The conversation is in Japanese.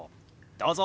どうぞ！